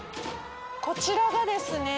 こちらがですね